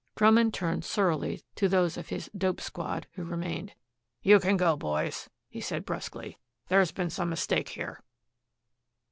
Drummond turned surlily to those of his "dope squad," who remained: "You can go, boys," he said brusquely. "There's been some mistake here."